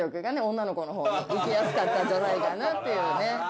いきやすかったんじゃないかなっていうね